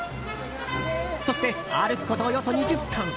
そして歩くこと、およそ２０分。